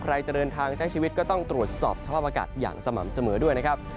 จะเดินทางใช้ชีวิตก็ต้องตรวจสอบสภาพอากาศอย่างสม่ำเสมอด้วยนะครับ